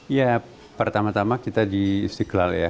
ya pertama tama kita di istiqlal ya